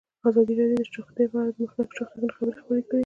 ازادي راډیو د روغتیا په اړه د مخکښو شخصیتونو خبرې خپرې کړي.